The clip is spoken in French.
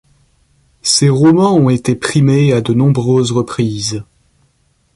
Ses romans ont été primés à de nombreuses reprises.